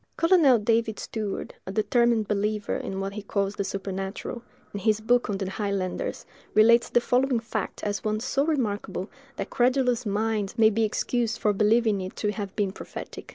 Colonel David Steward, a determined believer in what he calls the supernatural, in his book on the highlanders, relates the following fact as one so remarkable, that "credulous minds" may be excused for believing it to have been prophetic.